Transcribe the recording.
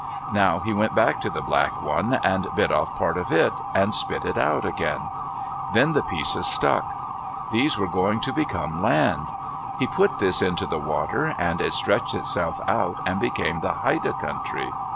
Now he went back to the black one, and bit off part of it, and spit it out again. Then the pieces stuck. These were going to become land. He put this into the water, and it stretched itself out and became the Haida Country.